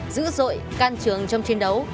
giữ rội can trường trong chiến đấu